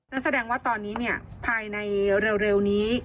นั่นแสดงว่าตอนนี้ภายในเร็วนี้